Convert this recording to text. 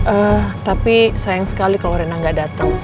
eh tapi sayang sekali kalau reina gak dateng